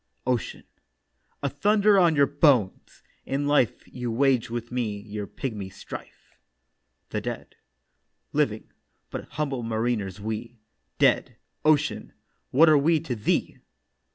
OCEAN: 'A thunder on your bones! In life You waged with me your pigmy strife.' THE DEAD: 'Living, but humble mariners we; Dead, Ocean, what are we to thee?